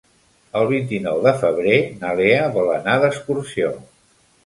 El vint-i-nou de febrer na Lea vol anar d'excursió.